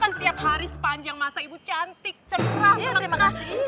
tapi setiap hari sepanjang masa ibu cantik cerah sangat kasih